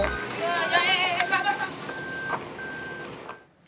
iya ya eh pak pak